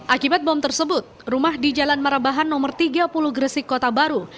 akibat bom tersebut rumah di jalan marabahan nomor tiga puluh gresik kota baru